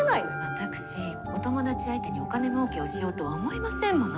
私お友達相手にお金もうけをしようとは思いませんもの。